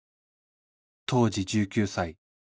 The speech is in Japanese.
当時１９歳